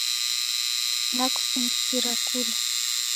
Nakusindikira kula